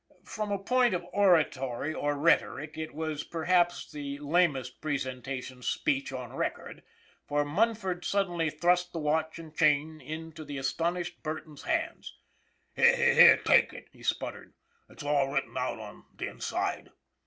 From a point of oratory or rhetoric it was perhaps the lamest presentation speech on record, for Munford suddenly thrust the watch and chain into the astounded Burton's hands. "Here, take it," he sputtered. "It's all written out on the inside."